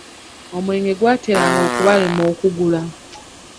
Omwenge gwateranga okubalema okugula.